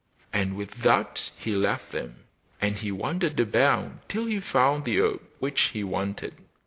And with that he left them, and wandered about till he found the herb which he wanted.